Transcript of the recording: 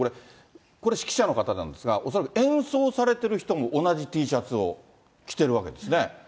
これ、指揮者の方なんですが、恐らく演奏されてる人も同じＴシャツを着てるわけですね。